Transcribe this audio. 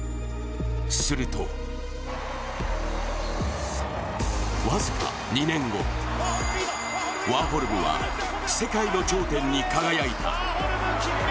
すると僅か２年後、ワーホルムは世界の頂点に輝いた。